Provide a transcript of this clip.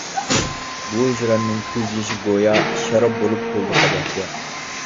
بۇ ھىجراننىڭ كۆز يېشى گويا، شاراب بولۇپ تولدى قەدەھكە.